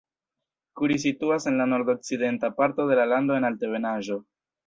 Kuri situas en la nordokcidenta parto de la lando en altebenaĵo.